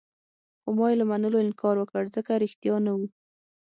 خو ما يې له منلو انکار وکړ، ځکه ريښتیا نه وو.